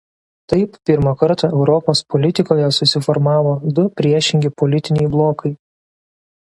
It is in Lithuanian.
Taip pirmą kartą Europos politikoje susiformavo du priešingi politiniai blokai.